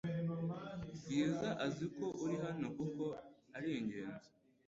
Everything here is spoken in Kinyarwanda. Bwiza azi ko uri hano kuko ari ingenzi